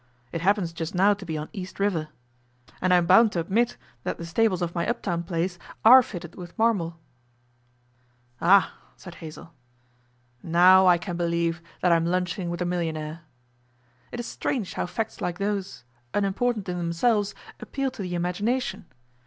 It happens just now to be on East River. And I am bound to admit that the stables of my uptown place are fitted with marble.' Racksole laughed. 'Ah!' said Hazell. 'Now I can believe that I am lunching with a millionaire. It's strange how facts like those unimportant in themselves appeal to the imagination.